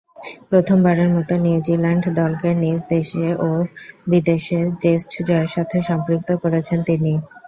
প্রথমবারের মতো নিউজিল্যান্ড দলকে নিজ দেশে ও বিদেশে টেস্ট জয়ের সাথে সম্পৃক্ত করেছেন তিনি।